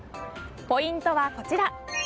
ポイントはこちら。